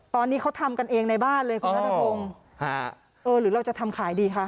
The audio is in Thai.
ตอนนี้เขาทำกันเองในบ้านเลยคุณนัทพงศ์เออหรือเราจะทำขายดีคะ